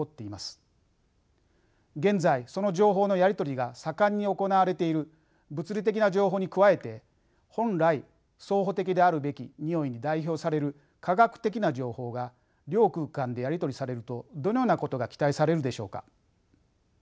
現在その情報のやり取りが盛んに行われている物理的な情報に加えて本来相補的であるべきにおいに代表される化学的な情報が両空間でやり取りされるとどのようなことが期待されるでしょうか？